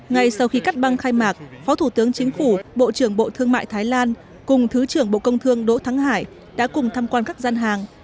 ngay sau khi cắt băng khai mạc phó thủ tướng chính phủ bộ trưởng bộ thương mại thái lan cùng thứ trưởng bộ công thương đỗ thắng hải đã cùng tham quan các gian hàng